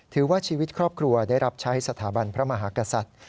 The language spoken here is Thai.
ถือว่าชีวิตครอบครัวได้รับใช้สถาบันพระมหากษัตริย์